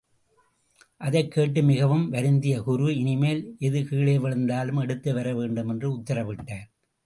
அதைக் கேட்டு மிகவும் வருந்திய குரு, இனிமேல் எது கீழே விழுந்தாலும் எடுத்து வரவேண்டும் என்று உத்தரவிட்டார்.